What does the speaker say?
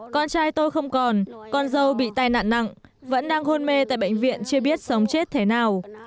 con trai tôi không còn con dâu bị tai nạn nặng vẫn đang hôn mê tại bệnh viện chưa biết sống chết thế nào